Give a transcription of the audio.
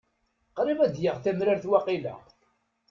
Qrib ad d-yaɣ tamrart waqila.